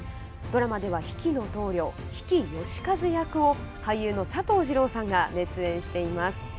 ドラマでは比企の頭領、比企能員役を俳優の佐藤二朗さんが熱演しています。